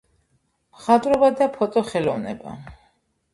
მხატვრობა და ფოტოხელოვნება